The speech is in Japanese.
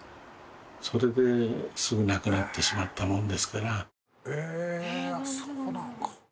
それですぐ亡くなってしまったもんですからえそうなのかえ